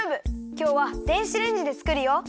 きょうは電子レンジでつくるよ。